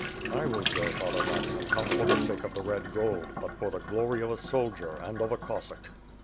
"I will go, Father Maxim, not for the sake of the red gold, but for the glory of a soldier and of a Cossack."